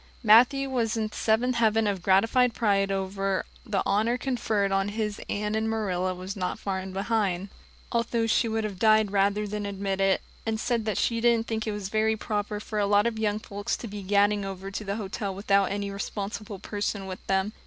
Matthew was in the seventh heaven of gratified pride over the honor conferred on his Anne and Marilla was not far behind, although she would have died rather than admit it, and said she didn't think it was very proper for a lot of young folks to be gadding over to the hotel without any responsible person with them.